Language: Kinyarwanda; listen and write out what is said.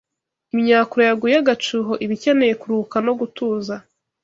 Imyakura yaguye agacuho iba ikeneye kuruhuka no gutuza